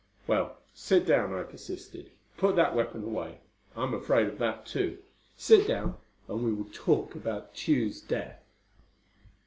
"Well, sit down," I persisted. "Put that weapon away: I'm afraid of that, too. Sit down and we will talk about Tugh's death."